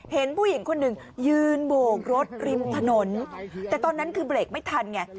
เห็นผู้หญิงคนหนึ่งยืนโบกรถริมถนนแต่ตอนนั้นคือเบรกไม่ทันไง